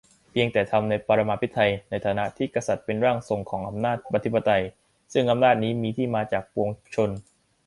เพียงแต่ทำ "ในปรมาภิไธย" ในฐานะที่กษัตริย์เป็นร่างทรงของอำนาจอธิปไตย-ซึ่งอำนาจนี้มีที่มาจากปวงชน